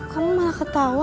kamu malah ketawa